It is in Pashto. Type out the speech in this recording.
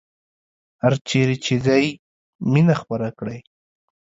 هرچیرې چې ځئ مینه خپره کړئ